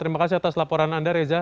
terima kasih atas laporan anda reza